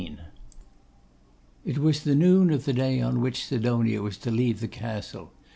It was the noon of the day on which Sidonia was to leave the Castle.